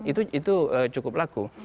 itu cukup laku